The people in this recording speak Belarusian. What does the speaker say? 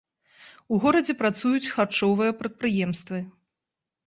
У горадзе працуюць харчовыя прадпрыемствы.